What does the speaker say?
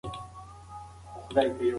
آس په پوره عزت سره د خپلې کلا په لور روان شو.